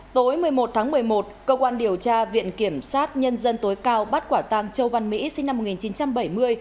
tối một mươi một tháng một mươi một cơ quan điều tra viện kiểm sát nhân dân tối cao bắt quả tang châu văn mỹ sinh năm một nghìn chín trăm bảy mươi